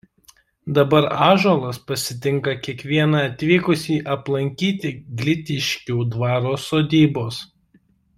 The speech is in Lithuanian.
Dabar ąžuolas pasitinka kiekvieną atvykusį aplankyti Glitiškių dvaro sodybos.